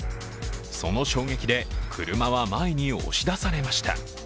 その衝撃で車は前に押し出されました。